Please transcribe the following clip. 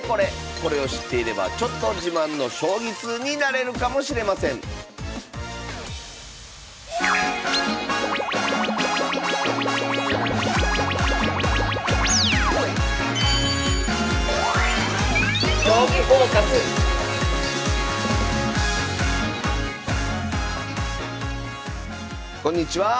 これを知っていればちょっと自慢の将棋通になれるかもしれませんこんにちは。